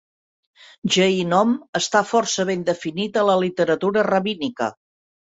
"Gehinom" està força ben definit a la literatura rabínica.